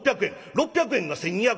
６００円が１，２００円。